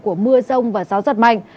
của mưa rông và gió giật mạnh